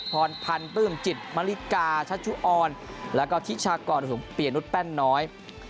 พรพันธ์ปลื้มจิตมริกาชัชชุออนแล้วก็ทิชากรสูงเปียนุษยแป้นน้อย